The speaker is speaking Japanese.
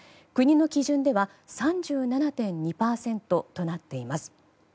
国の基準では３７．２％となっています。